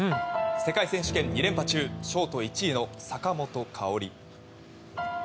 世界選手権２連覇中ショート１位の坂本花織。